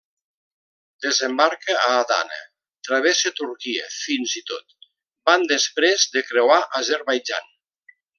Desembarca a Adana, travessa Turquia fins i tot van després de creuar Azerbaidjan.